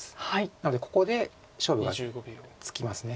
なのでここで勝負がつきます。